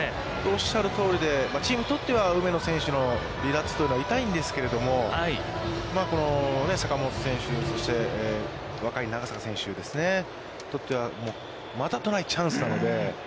おっしゃるとおりで、チームにとっては梅野選手の離脱というのは痛いんですけれども、坂本選手、そして若い長坂選手ですね、にとっては、またとないチャンスなので。